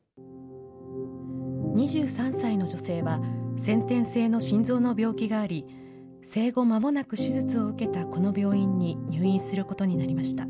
２３歳の女性は、先天性の心臓の病気があり、生後まもなく手術を受けたこの病院に入院することになりました。